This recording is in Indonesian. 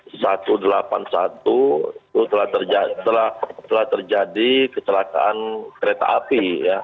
itu telah terjadi kecelakaan kereta api